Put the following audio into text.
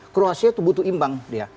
kroasia itu butuh imbang